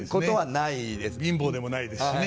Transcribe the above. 貧乏でもないですしね。